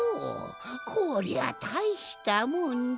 こりゃたいしたもんじゃ。